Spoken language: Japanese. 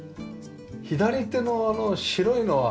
左手のあの白いのは。